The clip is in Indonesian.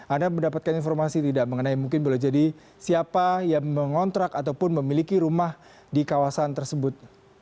anda mendapatkan informasi tidak mengenai mungkin boleh jadi siapa yang mengontrak ataupun memiliki rumah di kawasan tersebut